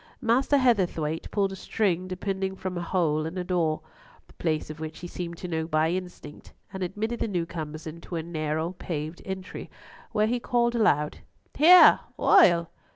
Master Heatherthwayte pulled a string depending from a hole in a door, the place of which he seemed to know by instinct, and admitted the newcomers into a narrow paved entry, where he called aloud, "Here, Oil!